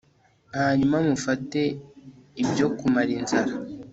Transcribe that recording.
hanyuma mufate ibyo kumara inzara